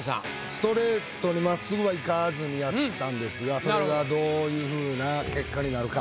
ストレートにまっすぐはいかずにやったんですがそれがどういうふうな結果になるか。